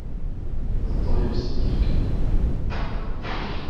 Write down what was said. D ṭṭbib i s-t-id-yefkan.